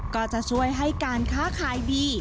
ก็จะช่วยให้การค้าขายดี